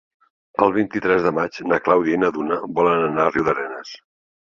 El vint-i-tres de maig na Clàudia i na Duna volen anar a Riudarenes.